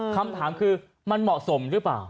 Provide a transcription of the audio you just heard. คำถามคือมันเหมาะสมหรือเปล่า